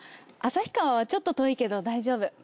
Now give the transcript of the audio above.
旭川はちょっと遠いけど大丈夫。